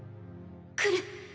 来る！